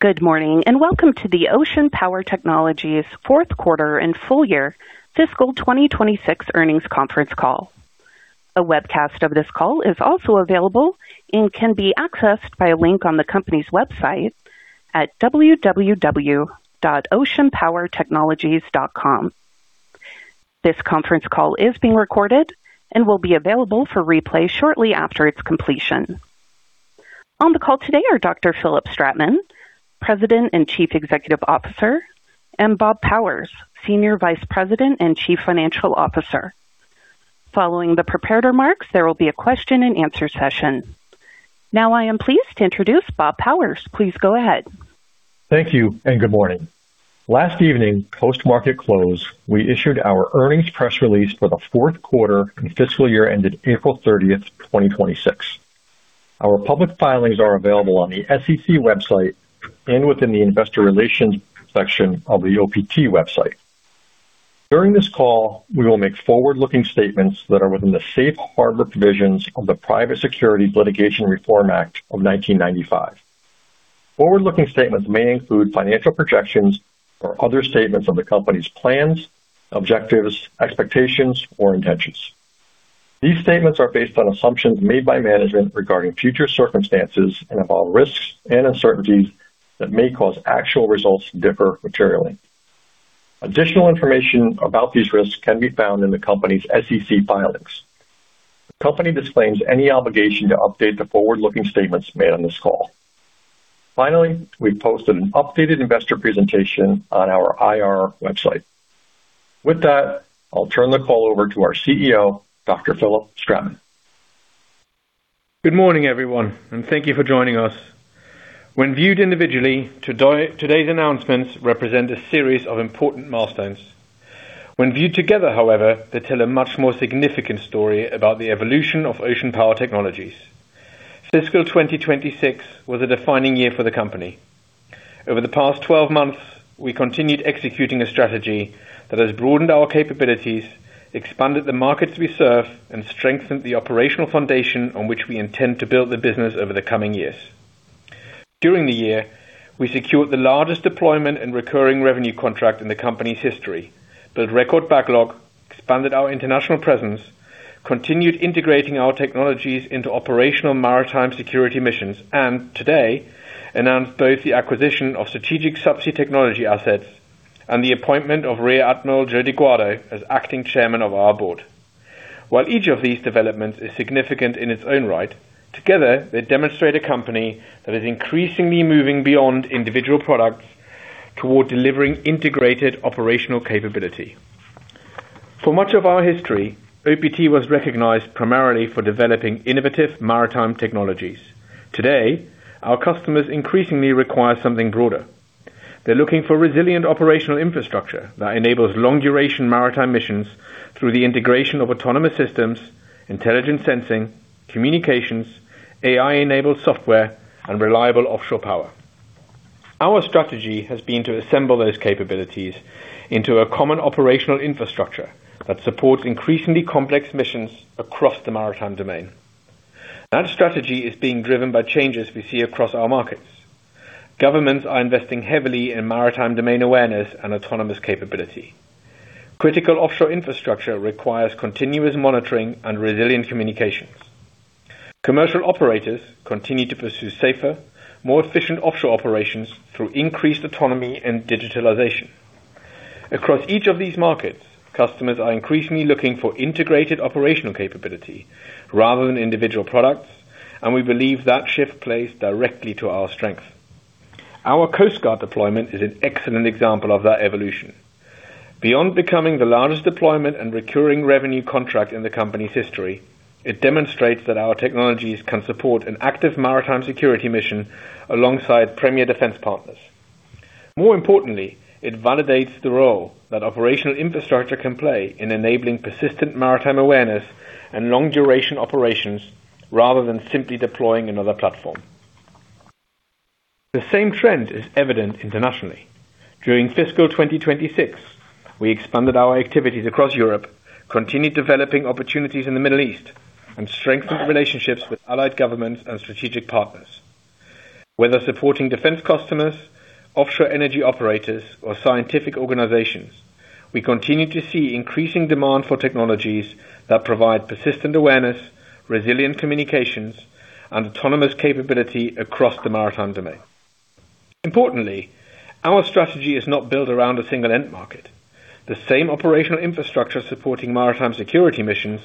Good morning, welcome to the Ocean Power Technologies fourth quarter and full year fiscal 2026 earnings conference call. A webcast of this call is also available and can be accessed by a link on the company's website at www.oceanpowertechnologies.com. This conference call is being recorded and will be available for replay shortly after its completion. On the call today are Dr. Philipp Stratmann, President and Chief Executive Officer, and Bob Powers, Senior Vice President and Chief Financial Officer. Following the prepared remarks, there will be a question and answer session. Now I am pleased to introduce Bob Powers. Please go ahead. Thank you, good morning. Last evening, post-market close, we issued our earnings press release for the fourth quarter and fiscal year ended April 30th, 2026. Our public filings are available on the SEC website and within the investor relations section of the OPT website. During this call, we will make forward-looking statements that are within the safe harbor provisions of the Private Securities Litigation Reform Act of 1995. Forward-looking statements may include financial projections or other statements of the company's plans, objectives, expectations, or intentions. These statements are based on assumptions made by management regarding future circumstances and involve risks and uncertainties that may cause actual results to differ materially. Additional information about these risks can be found in the company's SEC filings. The company disclaims any obligation to update the forward-looking statements made on this call. Finally, we've posted an updated investor presentation on our IR website. With that, I'll turn the call over to our CEO, Dr. Philipp Stratmann. Good morning, everyone, thank you for joining us. When viewed individually, today's announcements represent a series of important milestones. When viewed together, however, they tell a much more significant story about the evolution of Ocean Power Technologies. Fiscal 2026 was a defining year for the company. Over the past 12 months, we continued executing a strategy that has broadened our capabilities, expanded the markets we serve, and strengthened the operational foundation on which we intend to build the business over the coming years. During the year, we secured the largest deployment and recurring revenue contract in the company's history, built record backlog, expanded our international presence, continued integrating our technologies into operational maritime security missions, and today, announced both the acquisition of strategic subsea technology assets and the appointment of Rear Admiral Joe DiGuardo as acting chairman of our board. While each of these developments is significant in its own right, together, they demonstrate a company that is increasingly moving beyond individual products toward delivering integrated operational capability. For much of our history, OPT was recognized primarily for developing innovative maritime technologies. Today, our customers increasingly require something broader. They're looking for resilient operational infrastructure that enables long-duration maritime missions through the integration of autonomous systems, intelligent sensing, communications, AI-enabled software, and reliable offshore power. Our strategy has been to assemble those capabilities into a common operational infrastructure that supports increasingly complex missions across the maritime domain. That strategy is being driven by changes we see across our markets. Governments are investing heavily in maritime domain awareness and autonomous capability. Critical offshore infrastructure requires continuous monitoring and resilient communications. Commercial operators continue to pursue safer, more efficient offshore operations through increased autonomy and digitalization. Across each of these markets, customers are increasingly looking for integrated operational capability rather than individual products. We believe that shift plays directly to our strength. Our Coast Guard deployment is an excellent example of that evolution. Beyond becoming the largest deployment and recurring revenue contract in the company's history, it demonstrates that our technologies can support an active maritime security mission alongside premier defense partners. More importantly, it validates the role that operational infrastructure can play in enabling persistent maritime awareness and long-duration operations rather than simply deploying another platform. The same trend is evident internationally. During fiscal 2026, we expanded our activities across Europe, continued developing opportunities in the Middle East, and strengthened relationships with allied governments and strategic partners. Whether supporting defense customers, offshore energy operators, or scientific organizations, we continue to see increasing demand for technologies that provide persistent awareness, resilient communications, and autonomous capability across the maritime domain. Importantly, our strategy is not built around a single end market. The same operational infrastructure supporting maritime security missions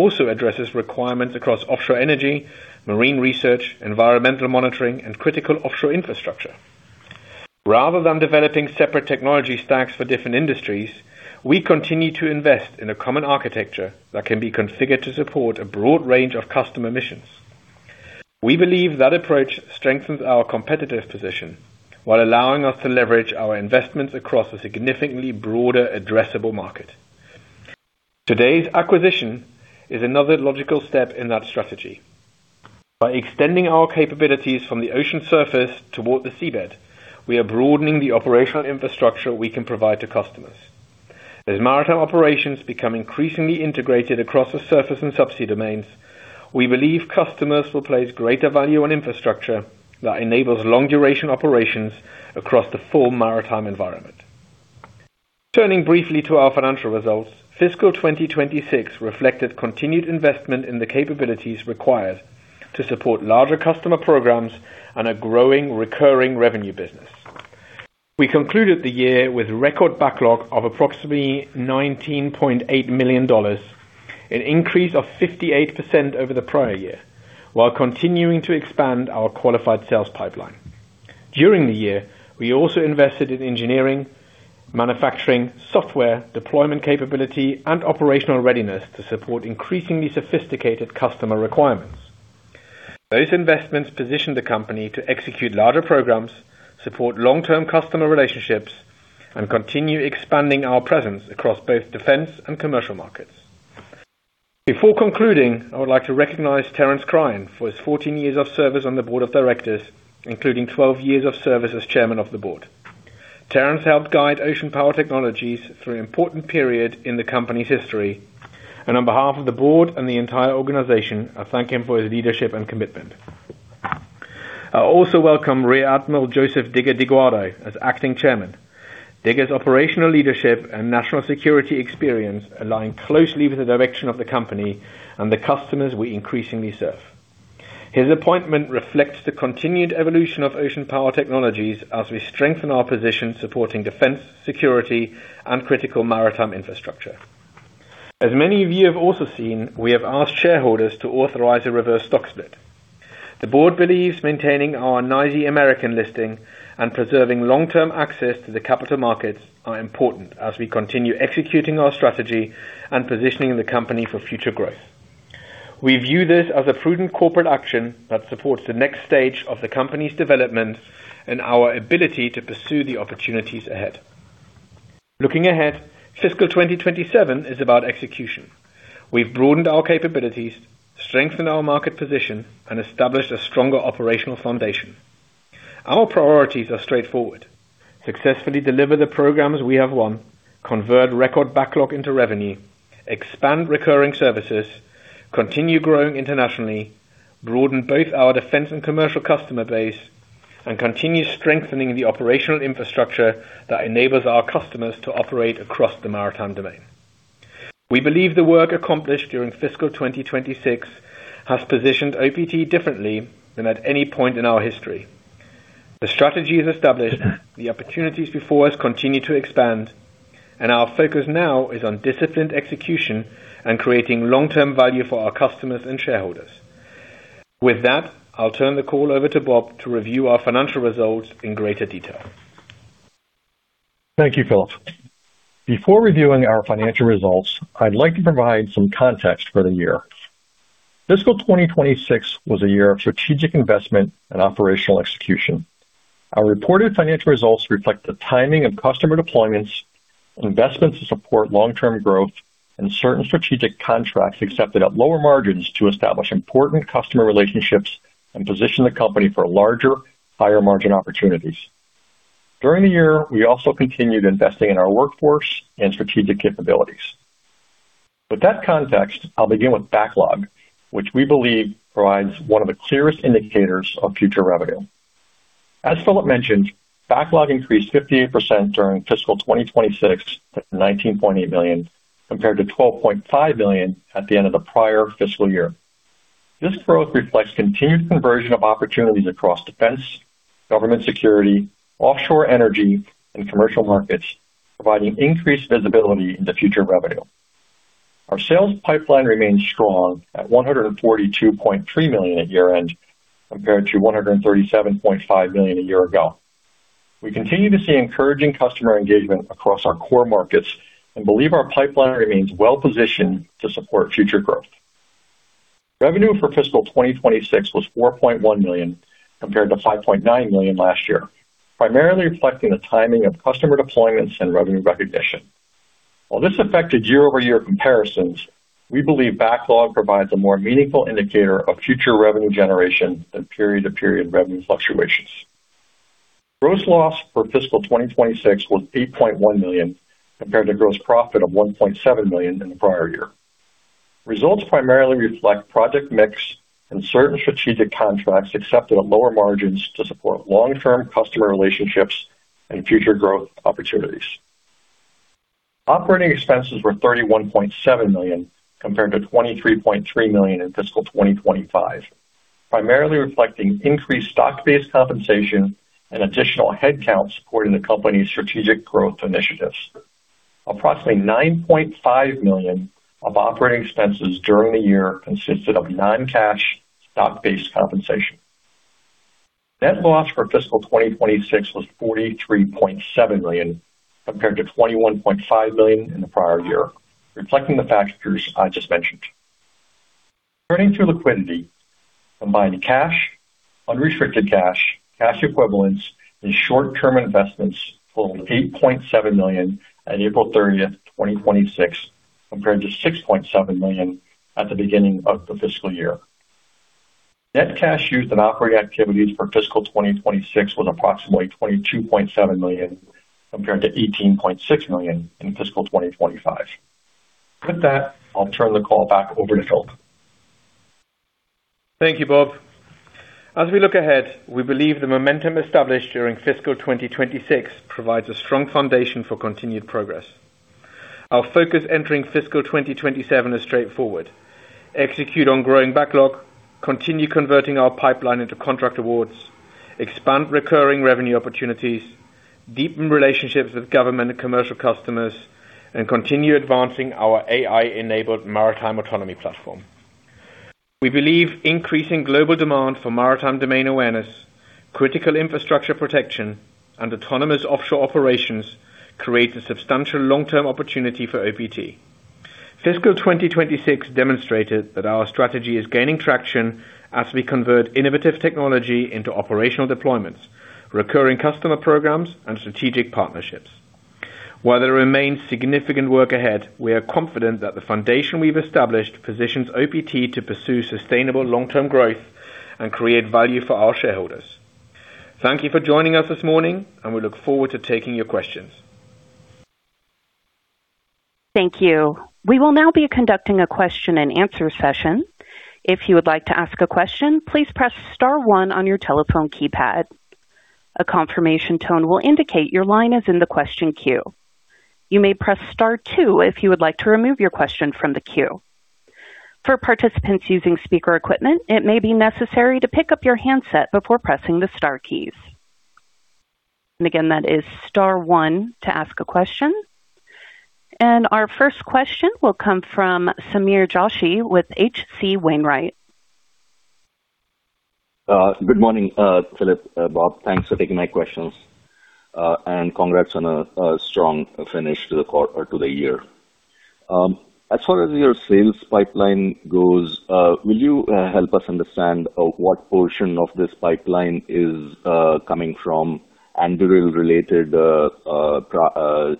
also addresses requirements across offshore energy, marine research, environmental monitoring, and critical offshore infrastructure. Rather than developing separate technology stacks for different industries, we continue to invest in a common architecture that can be configured to support a broad range of customer missions. We believe that approach strengthens our competitive position while allowing us to leverage our investments across a significantly broader addressable market. Today's acquisition is another logical step in that strategy. By extending our capabilities from the ocean surface toward the seabed, we are broadening the operational infrastructure we can provide to customers. As maritime operations become increasingly integrated across the surface and subsea domains, we believe customers will place greater value on infrastructure that enables long-duration operations across the full maritime environment. Turning briefly to our financial results, fiscal 2026 reflected continued investment in the capabilities required to support larger customer programs and a growing recurring revenue business. We concluded the year with record backlog of approximately $19.8 million, an increase of 58% over the prior year, while continuing to expand our qualified sales pipeline. During the year, we also invested in engineering, manufacturing, software deployment capability, and operational readiness to support increasingly sophisticated customer requirements. Those investments position the company to execute larger programs, support long-term customer relationships, and continue expanding our presence across both defense and commercial markets. Before concluding, I would like to recognize Terence Cryan for his 14 years of service on the board of directors, including 12 years of service as Chairman of the Board. Terence helped guide Ocean Power Technologies through an important period in the company's history, and on behalf of the board and the entire organization, I thank him for his leadership and commitment. I also welcome Rear Admiral Joseph DiGuardo as Acting Chairman. Diga's operational leadership and national security experience align closely with the direction of the company and the customers we increasingly serve. His appointment reflects the continued evolution of Ocean Power Technologies as we strengthen our position supporting defense, security, and critical maritime infrastructure. As many of you have also seen, we have asked shareholders to authorize a reverse stock split. The board believes maintaining our NYSE American listing and preserving long-term access to the capital markets are important as we continue executing our strategy and positioning the company for future growth. We view this as a prudent corporate action that supports the next stage of the company's development and our ability to pursue the opportunities ahead. Looking ahead, fiscal 2027 is about execution. We've broadened our capabilities, strengthened our market position, and established a stronger operational foundation. Our priorities are straightforward. Successfully deliver the programs we have won, convert record backlog into revenue, expand recurring services, continue growing internationally, broaden both our defense and commercial customer base, and continue strengthening the operational infrastructure that enables our customers to operate across the maritime domain. We believe the work accomplished during fiscal 2026 has positioned OPT differently than at any point in our history. The strategy is established, the opportunities before us continue to expand, and our focus now is on disciplined execution and creating long-term value for our customers and shareholders. With that, I'll turn the call over to Bob to review our financial results in greater detail. Thank you, Philipp. Before reviewing our financial results, I'd like to provide some context for the year. Fiscal 2026 was a year of strategic investment and operational execution. Our reported financial results reflect the timing of customer deployments, investments to support long-term growth, and certain strategic contracts accepted at lower margins to establish important customer relationships and position the company for larger, higher-margin opportunities. During the year, we also continued investing in our workforce and strategic capabilities. With that context, I'll begin with backlog, which we believe provides one of the clearest indicators of future revenue. As Philipp mentioned, backlog increased 58% during fiscal 2026 to $19.8 million, compared to $12.5 million at the end of the prior fiscal year. This growth reflects continued conversion of opportunities across defense, government security, offshore energy, and commercial markets, providing increased visibility into future revenue. Our sales pipeline remains strong at $142.3 million at year-end, compared to $137.5 million a year ago. We continue to see encouraging customer engagement across our core markets and believe our pipeline remains well-positioned to support future growth. Revenue for fiscal 2026 was $4.1 million, compared to $5.9 million last year, primarily reflecting the timing of customer deployments and revenue recognition. While this affected year-over-year comparisons, we believe backlog provides a more meaningful indicator of future revenue generation than period-to-period revenue fluctuations. Gross loss for fiscal 2026 was $8.1 million, compared to gross profit of $1.7 million in the prior year. Results primarily reflect project mix and certain strategic contracts accepted at lower margins to support long-term customer relationships and future growth opportunities. Operating expenses were $31.7 million, compared to $23.3 million in fiscal 2025, primarily reflecting increased stock-based compensation and additional headcount supporting the company's strategic growth initiatives. Approximately $9.5 million of operating expenses during the year consisted of non-cash stock-based compensation. Net loss for fiscal 2026 was $43.7 million, compared to $21.5 million in the prior year, reflecting the factors I just mentioned. Turning to liquidity, combined cash, unrestricted cash equivalents, and short-term investments totaled $8.7 million on April 30th, 2026, compared to $6.7 million at the beginning of the fiscal year. Net cash used in operating activities for fiscal 2026 was approximately $22.7 million, compared to $18.6 million in fiscal 2025. With that, I'll turn the call back over to Philipp. Thank you, Bob. As we look ahead, we believe the momentum established during fiscal 2026 provides a strong foundation for continued progress. Our focus entering fiscal 2027 is straightforward: execute on growing backlog, continue converting our pipeline into contract awards, expand recurring revenue opportunities, deepen relationships with government and commercial customers, and continue advancing our AI-enabled maritime autonomy platform. We believe increasing global demand for maritime domain awareness, critical infrastructure protection, and autonomous offshore operations creates a substantial long-term opportunity for OPT. Fiscal 2026 demonstrated that our strategy is gaining traction as we convert innovative technology into operational deployments, recurring customer programs, and strategic partnerships. While there remains significant work ahead, we are confident that the foundation we've established positions OPT to pursue sustainable long-term growth and create value for our shareholders. Thank you for joining us this morning, and we look forward to taking your questions. Thank you. We will now be conducting a question and answer session. If you would like to ask a question, please press star one on your telephone keypad. A confirmation tone will indicate your line is in the question queue. You may press star two if you would like to remove your question from the queue. For participants using speaker equipment, it may be necessary to pick up your handset before pressing the star keys. Again, that is star one to ask a question. Our first question will come from Sameer Joshi with H.C. Wainwright. Good morning, Philipp, Bob. Thanks for taking my questions. Congrats on a strong finish to the year. As far as your sales pipeline goes, will you help us understand what portion of this pipeline is coming from Anduril-related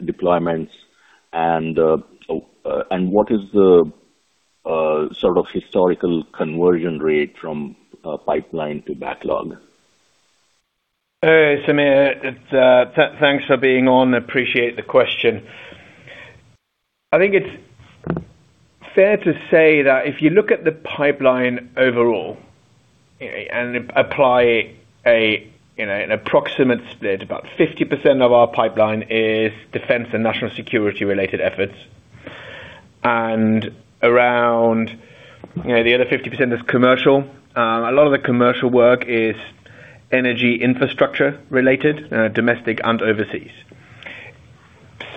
deployments and what is the historical conversion rate from pipeline to backlog? Hey, Sameer. Thanks for being on. Appreciate the question. I think it's fair to say that if you look at the pipeline overall and apply an approximate split, about 50% of our pipeline is defense and national security-related efforts, and around the other 50% is commercial. A lot of the commercial work is energy infrastructure related, domestic and overseas.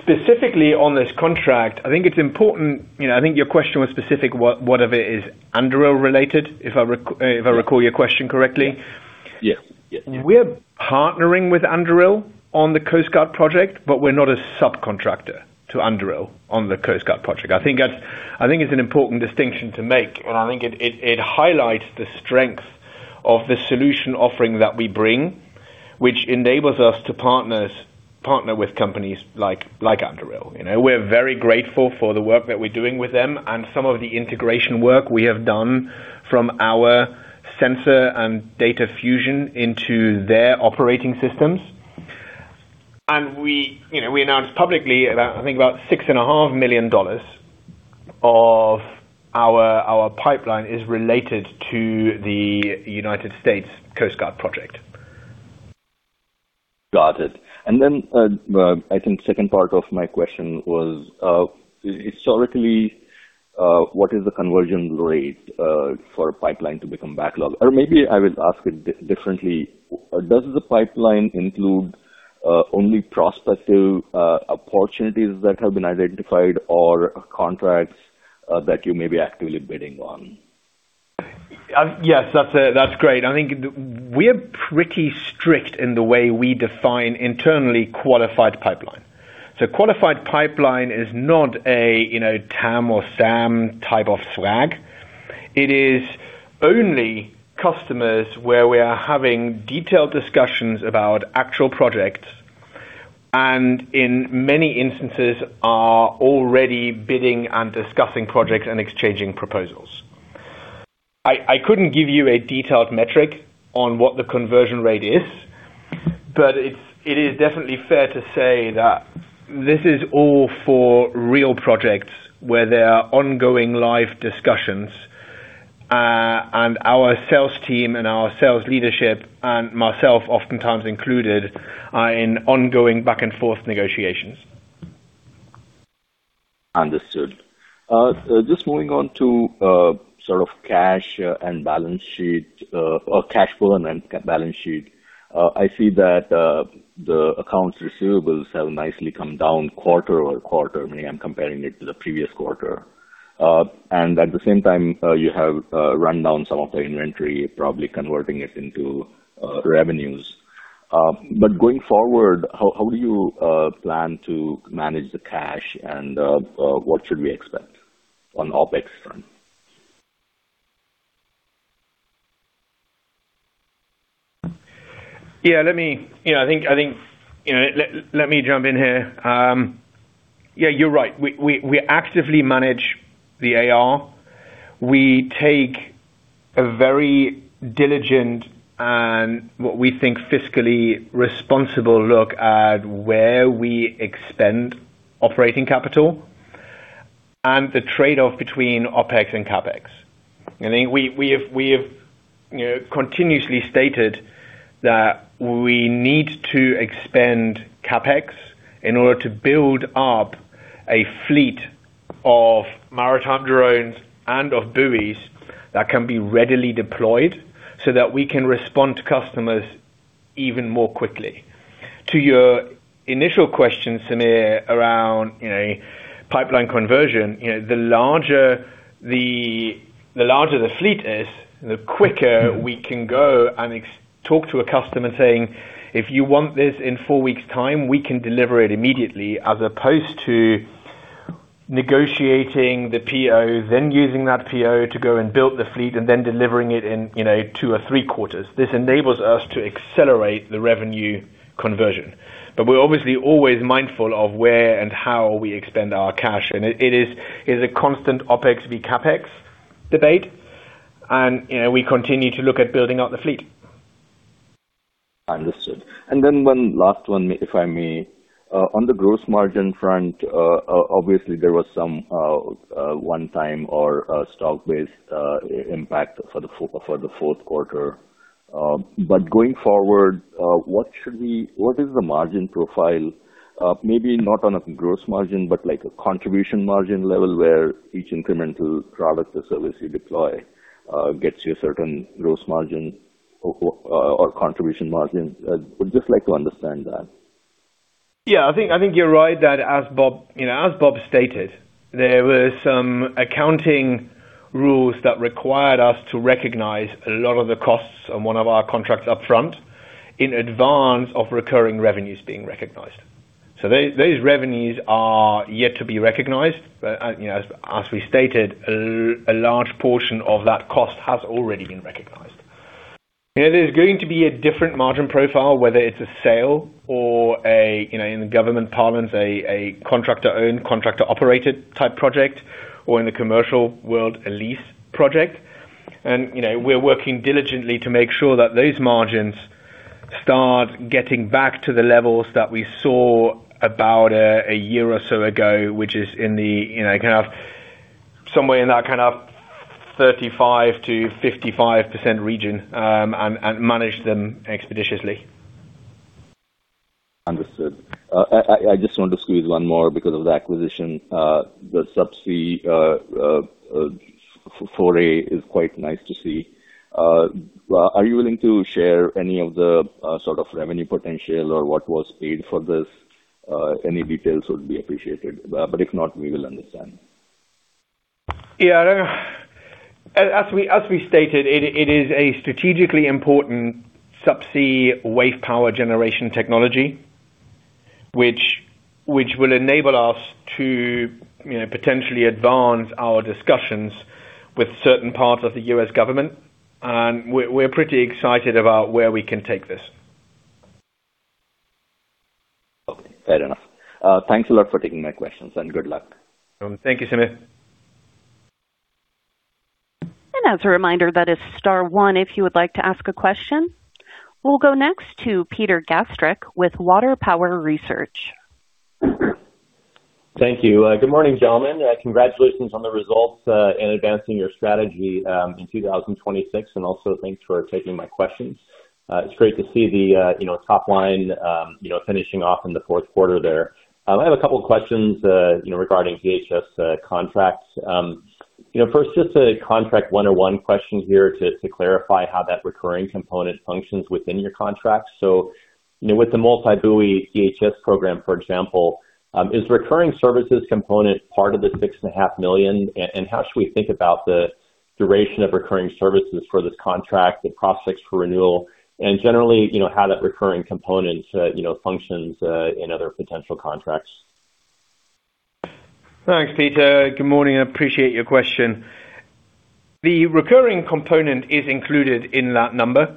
Specifically on this contract, I think it's important, I think your question was specific, what of it is Anduril related, if I recall your question correctly? Yeah. We're partnering with Anduril on the U.S. Coast Guard project, but we're not a subcontractor to Anduril on the U.S. Coast Guard project. I think it's an important distinction to make, and I think it highlights the strength of the solution offering that we bring, which enables us to partner with companies like Anduril. We're very grateful for the work that we're doing with them and some of the integration work we have done from our sensor and data fusion into their operating systems. We announced publicly about $6.5 million of our pipeline is related to the U.S. Coast Guard project. Got it. Then I think second part of my question was, historically, what is the conversion rate for a pipeline to become backlog? Or maybe I will ask it differently. Does the pipeline include only prospective opportunities that have been identified or contracts that you may be actively bidding on? Yes. That's great. I think we're pretty strict in the way we define internally qualified pipeline. Qualified pipeline is not a TAM or SAM type of flag. It is only customers where we are having detailed discussions about actual projects, and in many instances, are already bidding and discussing projects and exchanging proposals. I couldn't give you a detailed metric on what the conversion rate is, it is definitely fair to say that this is all for real projects where there are ongoing live discussions. Our sales team and our sales leadership and myself oftentimes included, are in ongoing back and forth negotiations. Understood. Just moving on to cash burn and balance sheet. I see that the accounts receivables have nicely come down quarter-over-quarter. I'm comparing it to the previous quarter. At the same time, you have run down some of the inventory, probably converting it into revenues. Going forward, how do you plan to manage the cash and what should we expect on the OpEx front? Let me jump in here. You're right. We actively manage the AR. We take a very diligent and what we think fiscally responsible look at where we expend operating capital and the trade-off between OpEx and CapEx. I think we have continuously stated that we need to expend CapEx in order to build up a fleet of maritime drones and of buoys that can be readily deployed so that we can respond to customers even more quickly. To your initial question, Sameer, around pipeline conversion, the larger the fleet is, the quicker we can go and talk to a customer saying, "If you want this in 4 weeks' time, we can deliver it immediately," as opposed to negotiating the PO, then using that PO to go and build the fleet, and then delivering it in two or three quarters. This enables us to accelerate the revenue conversion. We're obviously always mindful of where and how we expend our cash, and it is a constant OpEx and CapEx debate. We continue to look at building out the fleet. Understood. One last one, if I may. On the gross margin front, obviously there was some one-time or stock-based impact for the fourth quarter. Going forward, what is the margin profile? Maybe not on a gross margin, but like a contribution margin level where each incremental product or service you deploy gets you a certain gross margin or contribution margin. I would just like to understand that. Yeah. I think you're right that as Bob stated, there were some accounting rules that required us to recognize a lot of the costs on one of our contracts upfront in advance of recurring revenues being recognized. Those revenues are yet to be recognized. As we stated, a large portion of that cost has already been recognized. There's going to be a different margin profile, whether it's a sale or, in the government parlance, a contractor-owned, contractor-operated type project, or in the commercial world, a lease project. We're working diligently to make sure that those margins start getting back to the levels that we saw about a year or so ago, which is somewhere in that kind of 35%-55% region, and manage them expeditiously. Understood. I just want to squeeze one more because of the acquisition. The subsea foray is quite nice to see. Are you willing to share any of the sort of revenue potential or what was paid for this? Any details would be appreciated. If not, we will understand. Yeah. As we stated, it is a strategically important subsea wave power generation technology, which will enable us to potentially advance our discussions with certain parts of the U.S. government. We're pretty excited about where we can take this. Okay, fair enough. Thanks a lot for taking my questions. Good luck. Thank you, Sameer. As a reminder, that is star one if you would like to ask a question. We'll go next to Peter Gastreich with Water Tower Research. Thank you. Good morning, gentlemen. Congratulations on the results in advancing your strategy in 2026. Also thanks for taking my questions. It's great to see the top line finishing off in the fourth quarter there. I have a couple questions regarding DHS contracts. First, just a contract 101 question here to clarify how that recurring component functions within your contract. With the multi-buoy DHS program, for example, is recurring services component part of the $6.5 million? How should we think about the duration of recurring services for this contract, the prospects for renewal, and generally, how that recurring component functions in other potential contracts? Thanks, Peter. Good morning. I appreciate your question. The recurring component is included in that number.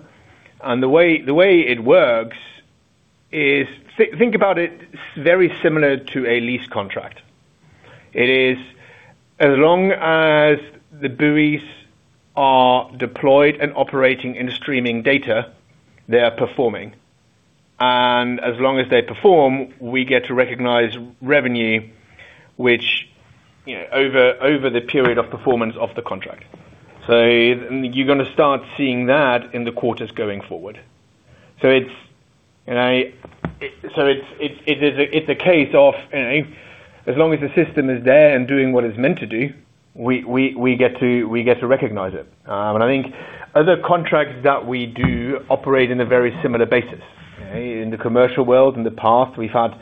The way it works is, think about it very similar to a lease contract. It is as long as the buoys are deployed and operating and streaming data, they are performing. As long as they perform, we get to recognize revenue, which over the period of performance of the contract. You're going to start seeing that in the quarters going forward. It's a case of, as long as the system is there and doing what it's meant to do, we get to recognize it. I think other contracts that we do operate in a very similar basis. In the commercial world, in the past, we've had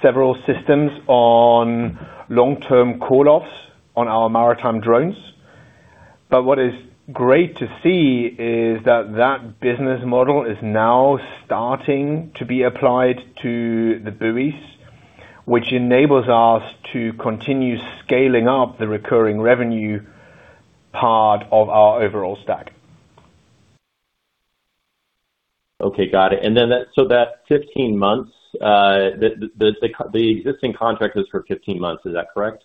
several systems on long-term call-offs on our maritime drones. What is great to see is that that business model is now starting to be applied to the buoys, which enables us to continue scaling up the recurring revenue part of our overall stack. Okay, got it. That 15 months, the existing contract is for 15 months, is that correct?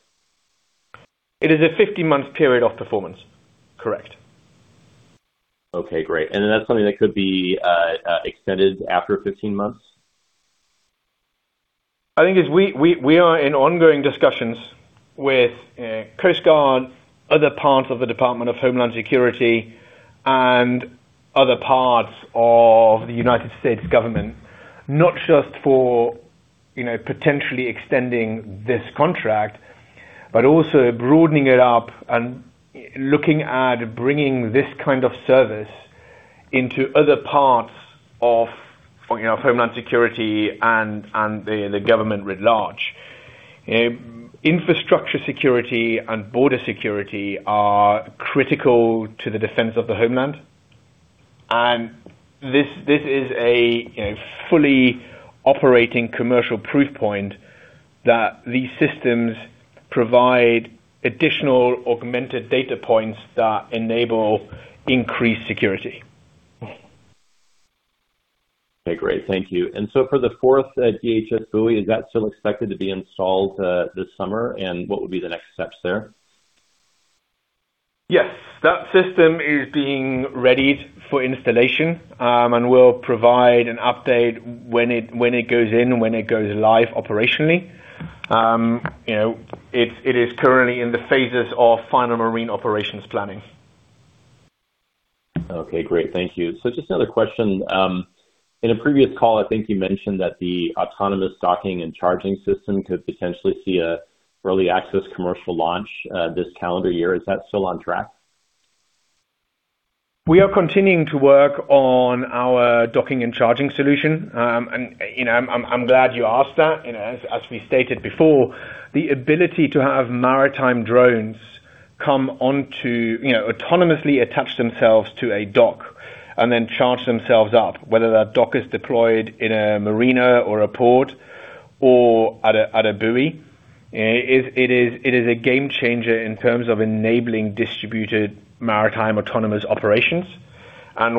It is a 15-month period of performance. Correct. Okay, great. That's something that could be extended after 15 months? I think as we are in ongoing discussions with U.S. Coast Guard, other parts of the Department of Homeland Security, and other parts of the United State government, not just for potentially extending this contract, but also broadening it up and looking at bringing this kind of service into other parts of Homeland Security and the government writ large. Infrastructure security and border security are critical to the defense of the homeland. This is a fully operating commercial proof point that these systems provide additional augmented data points that enable increased security. Okay, great. Thank you. For the fourth DHS buoy, is that still expected to be installed this summer, and what would be the next steps there? Yes. That system is being readied for installation, and we'll provide an update when it goes in, when it goes live operationally. It is currently in the phases of final marine operations planning. Okay, great. Thank you. Just another question. In a previous call, I think you mentioned that the autonomous docking and charging system could potentially see a early access commercial launch this calendar year. Is that still on track? We are continuing to work on our docking and charging solution. I'm glad you asked that. As we stated before, the ability to have maritime drones autonomously attach themselves to a dock and then charge themselves up, whether that dock is deployed in a marina or a port or at a buoy, it is a game changer in terms of enabling distributed maritime autonomous operations.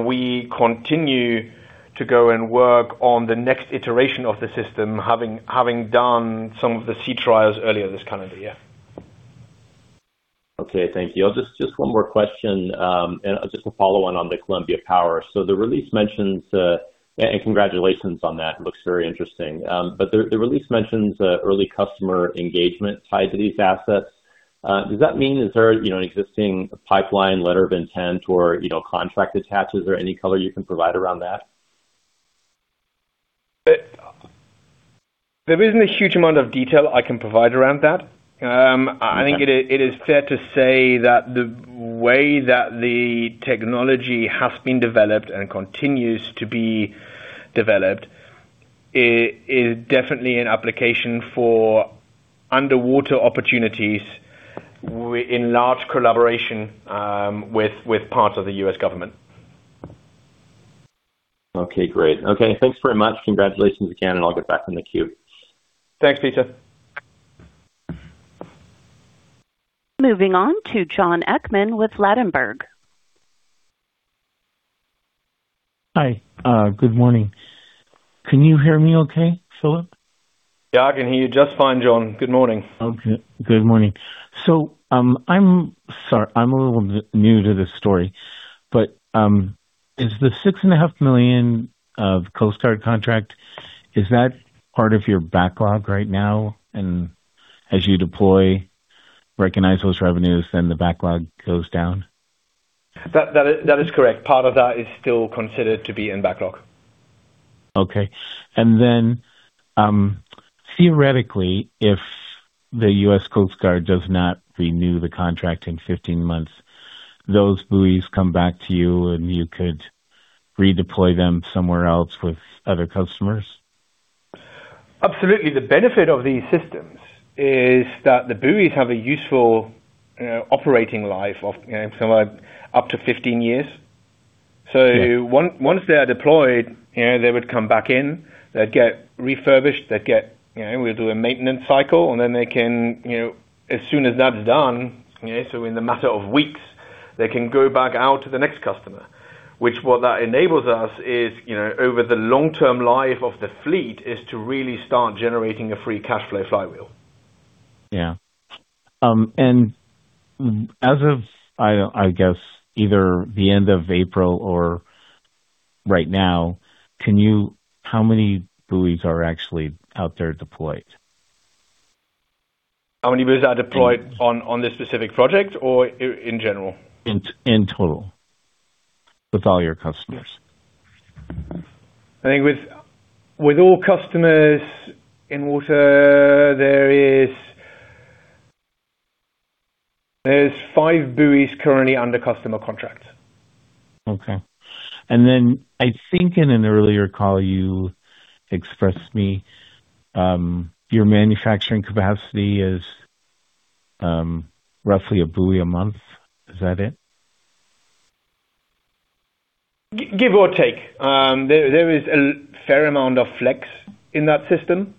We continue to go and work on the next iteration of the system, having done some of the sea trials earlier this calendar year. Okay, thank you. Just one more question, just a follow-on on the Columbia Power. Congratulations on that, looks very interesting. The release mentions early customer engagement tied to these assets. Does that mean, is there an existing pipeline letter of intent or contract attached? Is there any color you can provide around that? There isn't a huge amount of detail I can provide around that. Okay. I think it is fair to say that the way that the technology has been developed and continues to be developed is definitely an application for underwater opportunities in large collaboration with parts of the U.S. government. Okay, great. Okay, thanks very much. Congratulations again, and I'll get back in the queue. Thanks, Peter. Moving on to Jon Hickman with Ladenburg. Hi. Good morning. Can you hear me okay, Philipp? Yeah, I can hear you just fine, Jon. Good morning. Okay. Good morning. I'm sorry, I'm a little new to this story, is the six and a half million of Coast Guard contract, is that part of your backlog right now? As you deploy, recognize those revenues, then the backlog goes down? That is correct. Part of that is still considered to be in backlog. Then, theoretically, if the U.S. Coast Guard does not renew the contract in 15 months, those buoys come back to you, and you could redeploy them somewhere else with other customers? Absolutely. The benefit of these systems is that the buoys have a useful operating life of somewhere up to 15 years. Sure. Once they are deployed, they would come back in, they'd get refurbished, we'll do a maintenance cycle, then they can, as soon as that's done, in the matter of weeks, they can go back out to the next customer. What that enables us is, over the long-term life of the fleet, is to really start generating a free cash flow flywheel. Yeah. As of, I guess, either the end of April or right now, how many buoys are actually out there deployed? How many buoys are deployed on this specific project or in general? In total. With all your customers. I think with all customers in water, there's five buoys currently under customer contract. Okay. I think in an earlier call you expressed to me your manufacturing capacity is roughly a buoy a month. Is that it? Give or take. There is a fair amount of flex in that system.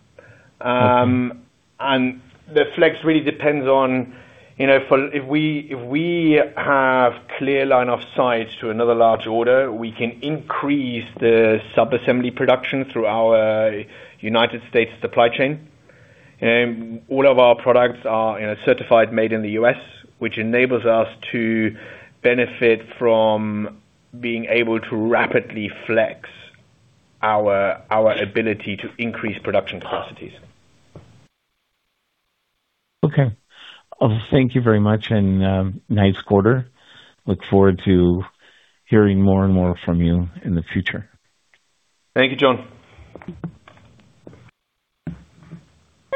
Okay. The flex really depends on if we have clear line of sight to another large order, we can increase the sub-assembly production through our United State supply chain. All of our products are certified made in the U.S., which enables us to benefit from being able to rapidly flex our ability to increase production capacities. Okay. Thank you very much and nice quarter. Look forward to hearing more and more from you in the future. Thank you, Jon.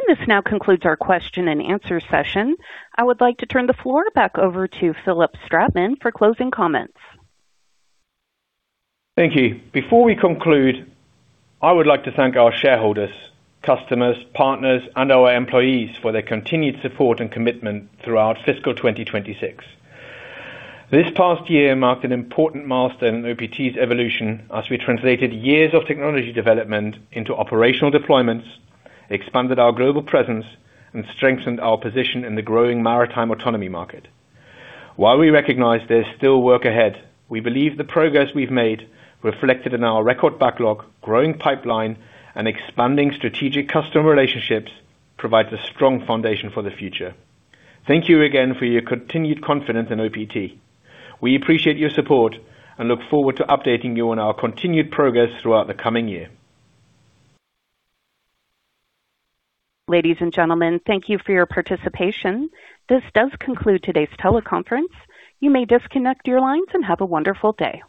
This now concludes our question and answer session. I would like to turn the floor back over to Philipp Stratmann for closing comments. Thank you. Before we conclude, I would like to thank our shareholders, customers, partners, and our employees for their continued support and commitment throughout fiscal 2026. This past year marked an important milestone in OPT's evolution as we translated years of technology development into operational deployments, expanded our global presence, and strengthened our position in the growing maritime autonomy market. While we recognize there's still work ahead, we believe the progress we've made, reflected in our record backlog, growing pipeline, and expanding strategic customer relationships, provides a strong foundation for the future. Thank you again for your continued confidence in OPT. We appreciate your support and look forward to updating you on our continued progress throughout the coming year. Ladies and gentlemen, thank you for your participation. This does conclude today's teleconference. You may disconnect your lines and have a wonderful day.